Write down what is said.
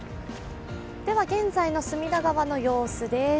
現在の隅田川の様子です。